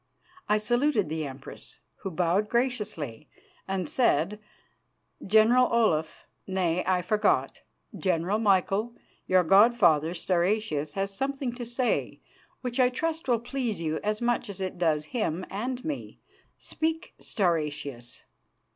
I saluted the Empress, who bowed graciously and said: "General Olaf nay, I forgot, General Michael, your god father Stauracius has something to say which I trust will please you as much as it does him and me. Speak, Stauracius."